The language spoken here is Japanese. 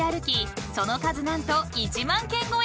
その数何と１万軒超え］